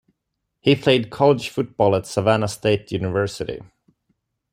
He played college football at Savannah State University.